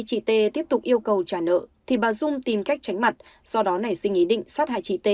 chị t tiếp tục yêu cầu trả nợ thì bà dung tìm cách tránh mặt do đó này xin ý định sát hại chị t